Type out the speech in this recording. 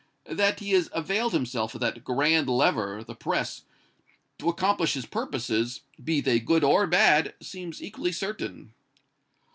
That he has availed himself of that grand lever, the press, to accomplish his purposes, be they good or bad, seems equally certain.